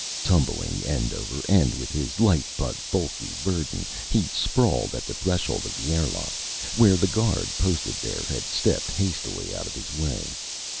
Tumbling end over end with his light but bulky burden, he sprawled at the threshold of the airlock, where the guard, posted there, had stepped hastily out of his way.